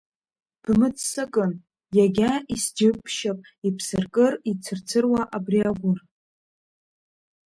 Бмыццакын, иагьа исџьыбшьап ибсыркыр, ицырцыруа абри агәыр!